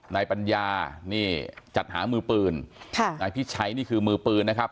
นายปัญญานี่จัดหามือปืนค่ะนายพิชัยนี่คือมือปืนนะครับ